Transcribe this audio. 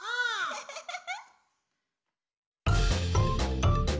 ウフフフフ。